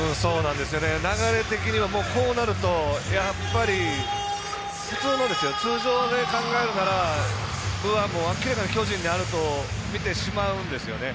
流れ的にはこうなると、やっぱり普通の、通常で考えるなら分は明らかに巨人にあると見てしまうんですよね。